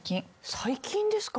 最近ですか？